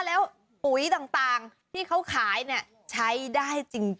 แล้วปุ๋ยต่างที่เขาขายเนี่ยใช้ได้จริง